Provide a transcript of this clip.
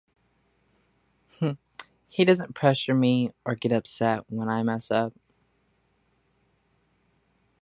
He doesn't pressure me or get upset when I mess up.